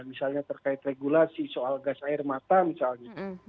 misalnya terkait regulasi soal gas air mata misalnya